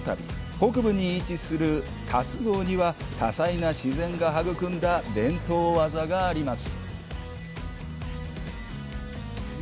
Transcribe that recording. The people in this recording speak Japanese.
北部に位置する龍郷には多彩な自然が育んだ伝統技があります。